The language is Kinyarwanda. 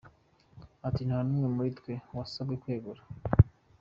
Ati “Nta n’umwe muri twe wasabwe kwegura.